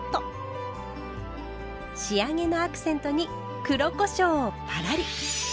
仕上げのアクセントに黒こしょうをパラリ。